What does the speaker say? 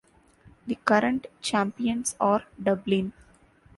The current champions are Dublin.